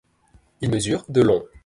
Il mesure de long.